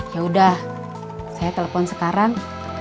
ya udah saya telepon sekarang